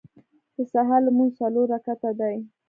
د سهار لمونځ څلور رکعته دی.